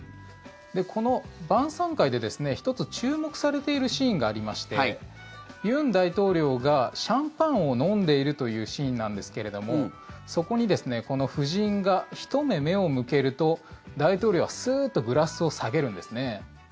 この晩さん会で１つ、注目されているシーンがありまして尹大統領がシャンパンを飲んでいるというシーンなんですけれどもそこに、この夫人がひと目、目を向けると大統領はすっとグラスを下げるんですね。